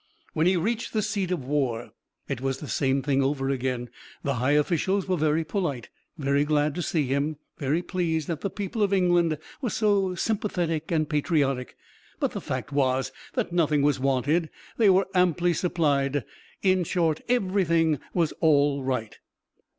When he reached the seat of war, it was the same thing over again. The high officials were very polite, very glad to see him, very pleased that the people of England were so sympathetic and patriotic; but the fact was that nothing was wanted; they were amply supplied; in short, everything was "all right."